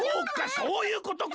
そういうことか！